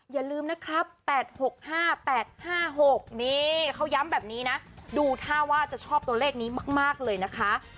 อย่าลืมนะครับ๘๖๕๘๕๖นี่เขาย้ำแบบนี้นะดูท่าว่าจะชอบตัวเลขนี้มากเลยนะคะ